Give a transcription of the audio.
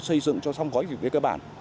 xây dựng cho xong gói việc về cơ bản